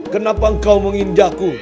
kenapa engkau menginjakku